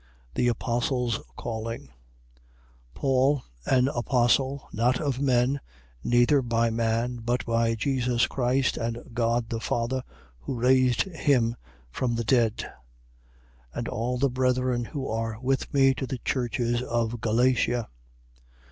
The apostle's calling. 1:1. Paul, an apostle, not of men, neither by man, but by Jesus Christ and God the Father, who raised him from the dead: 1:2. And all the brethren who are with me: to the churches of Galatia.